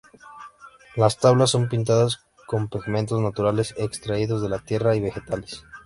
Las tablas son pintadas con pigmentos naturales extraídos de la tierra y vegetales.